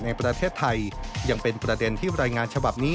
ในประเทศไทยยังเป็นประเด็นที่รายงานฉบับนี้